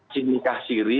si nikah siri